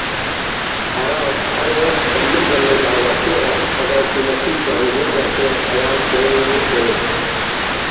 ہرافک ہر وخت بھلو بھلو دعویٰ کیرہ اگہ حکومتی گام گیج آتیا خیال کننگے تو